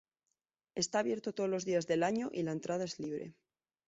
Está abierto todos los días del año y la entrada es libre.